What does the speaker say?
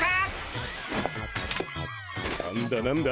・何だ何だ？